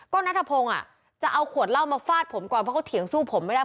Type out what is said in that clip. ก็นัทพงศ์จะเอาขวดเหล้ามาฟาดผมก่อนเพราะเขาเถียงสู้ผมไม่ได้